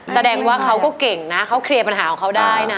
แสดงว่าเขาก็เก่งนะเขาเคลียร์ปัญหาของเขาได้นะ